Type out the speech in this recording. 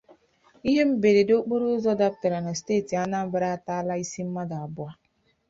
Ihe mberede okporoụzọ dapụtara na steeti Anambra ataala isi mmadụ abụọ